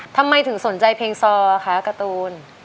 ทำไมถึงสนใจเพลงซอคะการ์ตูน